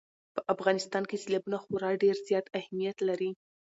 په افغانستان کې سیلابونه خورا ډېر زیات اهمیت لري.